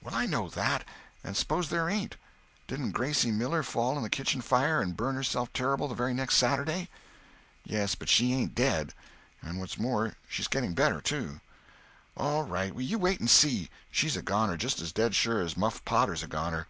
"Well, I know that. And suppose there ain't. Didn't Gracie Miller fall in the kitchen fire and burn herself terrible the very next Saturday?" "Yes, but she ain't dead. And what's more, she's getting better, too." "All right, you wait and see. She's a goner, just as dead sure as Muff Potter's a goner.